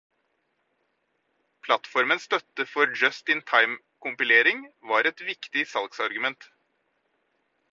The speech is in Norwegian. Plattformens støtte for just-in-time kompilering var et viktig salgsargument.